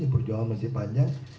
perjuangan masih panjang